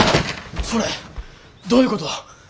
それどういうこと！？